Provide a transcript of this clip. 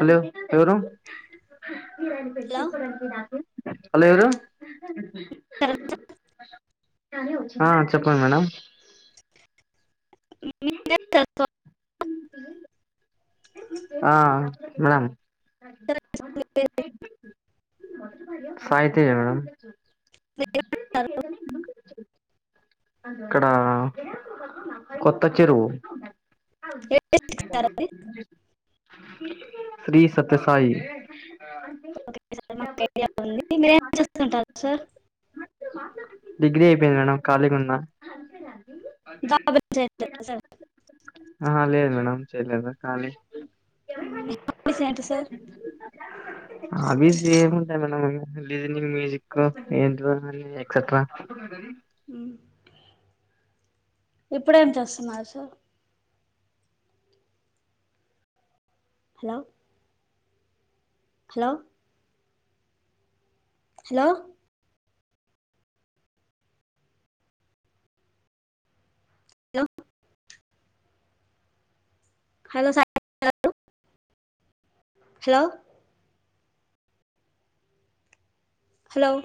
hello ఎవరు లో hello ఎవరు ఆ చెప్పండి మేడం మీ [inaudible] ఆ మామ్ సాయి తేజ మేడం స ఏద ఇక్కడ కొత్త చెరువు సార్ అది శ్రీ సత్య సాయి ఓకే మాకు ఐడియా ఉంది ఏం చేసుకుంటారు సార్ డిగ్రీ అయిపోయింది మేడం కఖాళీగా ఉన్నా జాబ్ ఏం చేయట్లేదు సార్ ఆ లేదు మేడం [unintelligible] కాళీ హాబీస్ ఏంటి సార్ హాబీస్ ఏమంటా మేడం లీజనింగ్ మ్యూజిక్ ఏంటి ఎక్సెట్రా ఉ ఇప్పుడేం చేస్తున్నారు sir hello hello hello hello hello sir [unintelligible] hello hello